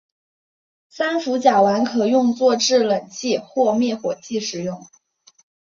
三氟甲烷可用作制冷剂或灭火剂使用。